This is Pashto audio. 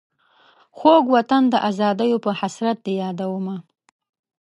خوږ وطن د آزادیو په حسرت دي یادومه.